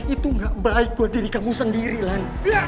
itu gak baik buat diri kamu sendiri kan